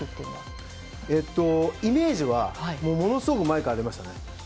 イメージはものすごく前からありましたね。